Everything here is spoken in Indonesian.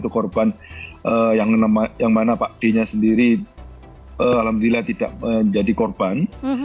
satu korban yang mana pak d nya sendiri alhamdulillah tidak menjadi korban